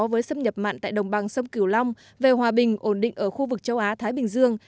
với xâm nhập mặn tại đồng bằng sông cửu long về hòa bình ổn định ở khu vực châu á thái bình dương